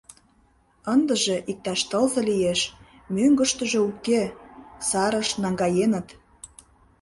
Ындыже, иктаж тылзе лиеш, мӧҥгыштыжӧ уке, сарыш наҥгаеныт.